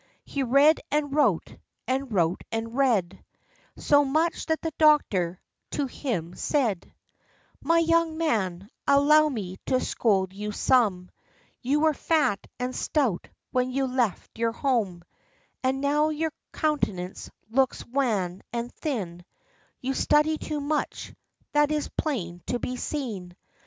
He read and wrote, and wrote and read > So much, that the doctor to him said, "My young man, allow me to scold you some; You were fat and stout when you left your home; And now your countenance looks wan and thin; You study too much, — that is plain to be seen.